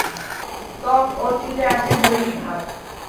ত্বক ও চুলে আসে বৈরী ভাব।